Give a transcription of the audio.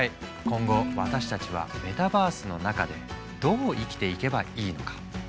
今後私たちはメタバースの中でどう生きていけばいいのか。